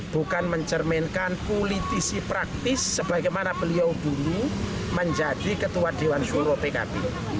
bukan mencerminkan politisi praktis sebagaimana beliau dulu menjadi ketua dewan suro pkb